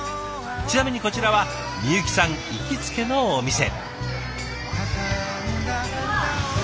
ちなみにこちらはみゆきさん行きつけのお店。